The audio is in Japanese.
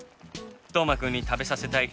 斗真君に食べさせたい